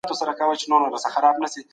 کارپوهانو به د انسان د ژوند حق خوندي کوی.